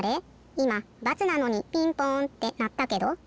いま×なのにピンポンってなったけど？